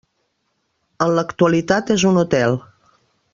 En l'actualitat és un hotel.